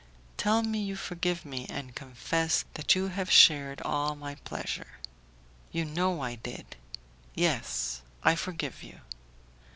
"Tell me you forgive me, and confess that you have shared all my pleasure." "You know I did. Yes, I forgive you."